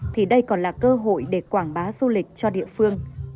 thì đây còn là cơ hội để quảng bá du lịch cho địa phương